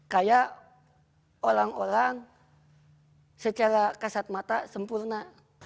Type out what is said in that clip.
kayak orang orang secara kasat mata sempurna